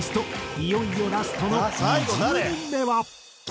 いよいよラストの２０人目は。